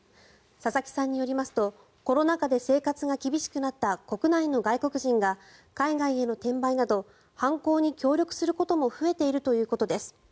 佐々木さんによりますとコロナ禍で生活が厳しくなった国内の外国人が海外への転売など犯行に協力することも増えているということです。